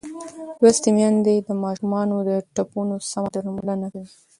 لوستې میندې د ماشومانو د ټپونو سم درملنه کوي.